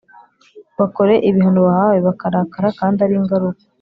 bakore ibihano bahawe bakarakara kandi aringaruko